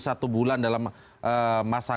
satu bulan dalam masa